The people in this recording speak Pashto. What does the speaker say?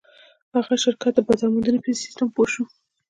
هغه د شرکت د بازار موندنې په سيسټم پوه شو.